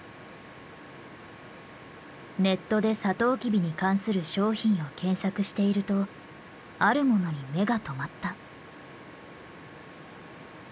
ネットでサトウキビに関する商品を検索しているとあるものに目が留まった。